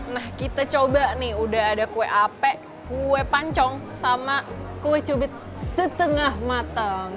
nah kita coba nih udah ada kue ape kue pancong sama kue cubit setengah mateng